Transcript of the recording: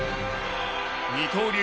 二刀流